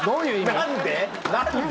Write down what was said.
何で？